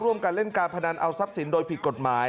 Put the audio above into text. การเล่นการพนันเอาทรัพย์สินโดยผิดกฎหมาย